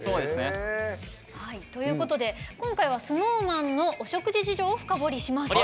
今回はＳｎｏｗＭａｎのお食事事情を深掘りします。